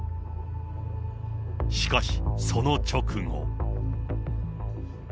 しかし、その直後。